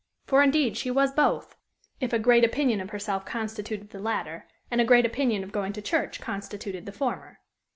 For, indeed, she was both, if a great opinion of herself constituted the latter, and a great opinion of going to church constituted the former.